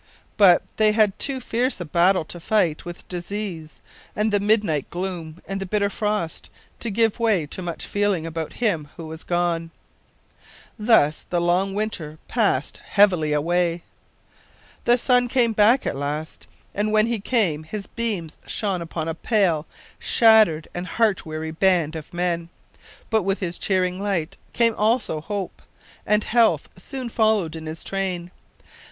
But they had too fierce a battle to fight with disease, and the midnight gloom, and the bitter frost, to give way to much feeling about him who was gone. Thus the long winter passed heavily away. The sun came back at last, and when he came his beams shone upon a pale, shattered, and heart weary band of men. But with his cheering light came also hope, and health soon followed in his train.